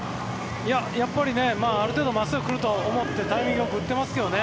やっぱり、ある程度真っすぐが来ると思ってタイミングよく打ってますけどね